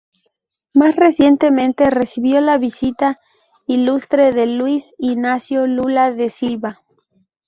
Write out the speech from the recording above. Más recientemente recibió la visita ilustre de Luiz Inácio Lula da Silva.